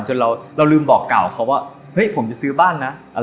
จนเราลืมบอกกร่าวเขาว่าผมจะซื้อบ้าน